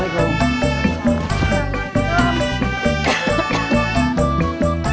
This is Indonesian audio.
tidak saya tidak mau